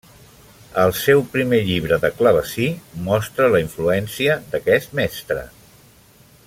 El seu primer llibre de clavecí mostra la influència d'aquest mestre.